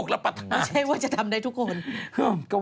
ไม่ใช่ว่าจะทำได้ทุกคน